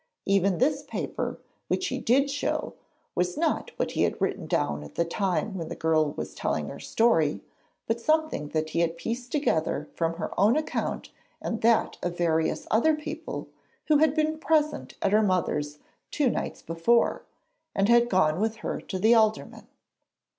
Even this paper which he did show was not what he had written down at the time when the girl was telling her story, but something that he had pieced together from her own account and that of various other people who had been present at her mother's two nights before, and had gone with her to the Alderman.